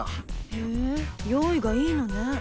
へえ用意がいいのね。